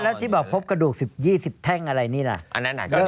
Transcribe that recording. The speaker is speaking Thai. แล้วถ้าที่บอกภพกระดูกสิบหี่สิบแท่งอะไรนี่ล่ะอันนั้นอาจจะใช้